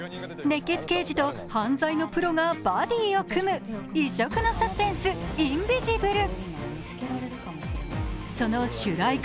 熱血刑事と犯罪のプロがバディを組む異色のサスペンス「インビジブル」。